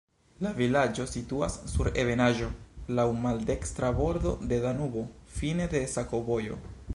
La vilaĝo situas sur ebenaĵo, laŭ maldekstra bordo de Danubo, fine de sakovojo.